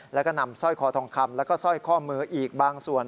แล้วก็นำสร้อยคอทองคำแล้วก็สร้อยข้อมืออีกบางส่วน